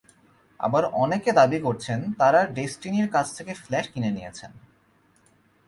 আবার অনেকে দাবি করছেন, তাঁরা ডেসটিনির কাছ থেকে ফ্ল্যাট কিনে নিয়েছেন।